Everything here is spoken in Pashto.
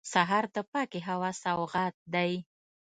سهار د پاکې هوا سوغات دی.